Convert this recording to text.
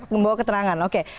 membawa ketenangan oke